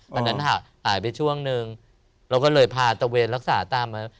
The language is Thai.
ตอนนั้นห่าวอาหารไปช่วงหนึ่งเราก็เลยพาตะเวรรักษาตามา